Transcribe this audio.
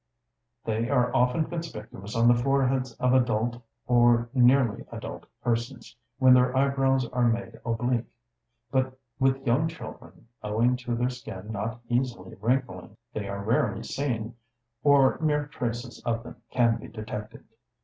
They are often conspicuous on the foreheads of adult or nearly adult persons, when their eyebrows are made oblique; but with young children, owing to their skin not easily wrinkling, they are rarely seen, or mere traces of them can be detected.